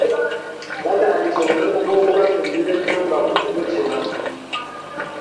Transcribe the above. Batandise omulimo gw’okubazimbira ennyumba ku kigo kino.